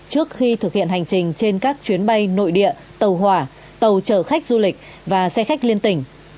trước khi thực hiện hành trình trên các chuyến bay nội địa tàu hỏa tàu chở khách du lịch và xe khách liên tỉnh